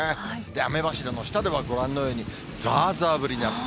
雨柱の下ではご覧のように、ざーざー降りの雨。